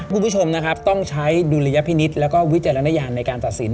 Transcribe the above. คุณผู้ชมนะครับต้องใช้ดุลยพินิษฐ์แล้วก็วิจารณญาณในการตัดสิน